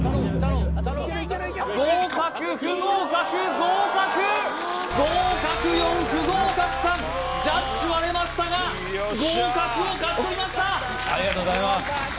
合格不合格合格合格４不合格３ジャッジ割れましたが合格を勝ち取りましたありがとうございます